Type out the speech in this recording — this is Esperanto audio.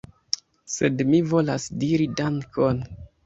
♫ Sed mi volas diri dankon ♫